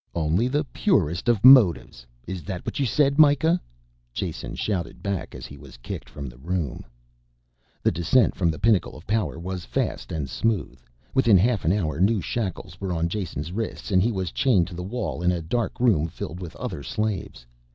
"Only the purest of motives, is that what you said, Mikah?" Jason shouted back as he was kicked from the room. The descent from the pinnacle of power was fast and smooth. Within half an hour new shackles were on Jason's wrists and he was chained to the wall in a dark room filled with other slaves.